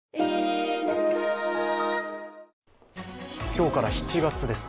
今日から７月です。